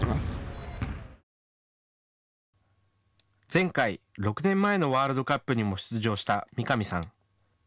前回６年前のワールドカップにも出場した三上さん。